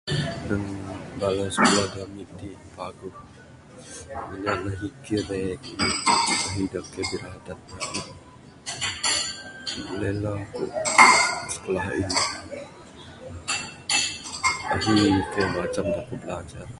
Nehen bala sikulah ami ti paguh mina ne ahi kireng ahi dak kai biradat dak ain, buleh la ku sikulah in ahi keyuh macam dak deputy belajar.